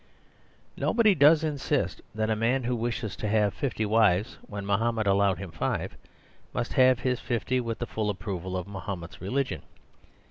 Nobody does insist that a man who wishes to have fifty wives when Mahomet allowed him five, must have his fifty with the full approval of Mahomet's religion.